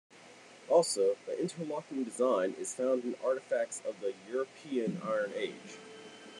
Also, the interlocking design is found in artifacts of the European Iron Age.